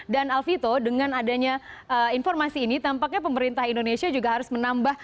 dan alfito dengan adanya informasi ini tampaknya pemerintah indonesia juga harus menambahnya